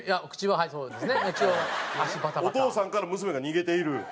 お父さんから娘が逃げている。